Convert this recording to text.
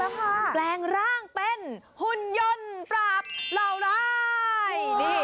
แปลงร่างเป็นหุ่นยนต์ปราบเหล่าร้ายนี่